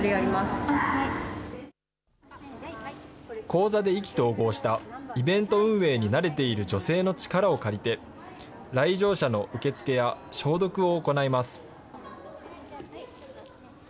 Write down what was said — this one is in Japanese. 講座で意気投合したイベント運営に慣れている女性の力を借りて、来場者の受け付けや、消毒を行います。